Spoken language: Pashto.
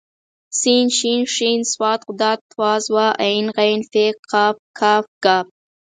س ش ښ ص ض ط ظ ع غ ف ق ک ګ